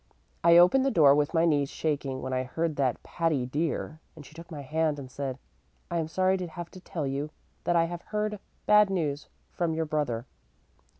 I opened the door with my knees shaking when I heard that 'Patty dear,' and she took my hand and said, 'I am sorry to have to tell you that I have heard bad news from your brother.'